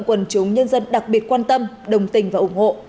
quần chúng nhân dân đặc biệt quan tâm đồng tình và ủng hộ